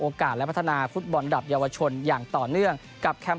โดยการแข่งขันในรอบคัตเลือกทั้งสิ้น๖สนามทั่วประเทศ